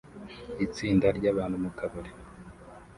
Itsinda ryabantu mu kabari